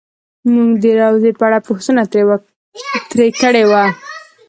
مونږ د روضې په اړه پوښتنه ترې کړې وه.